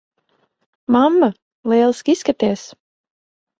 Mamma, lieliski izskaties.